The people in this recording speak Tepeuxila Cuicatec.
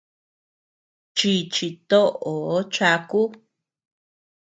Chíchi toʼoo cháku.